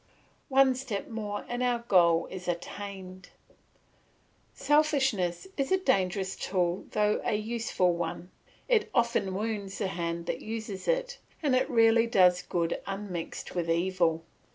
One step more and our goal is attained. Selfishness is a dangerous tool though a useful one; it often wounds the hand that uses it, and it rarely does good unmixed with evil.